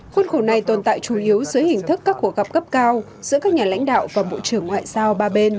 khuôn khổ này tồn tại chủ yếu dưới hình thức các cuộc gặp cấp cao giữa các nhà lãnh đạo và bộ trưởng ngoại giao ba bên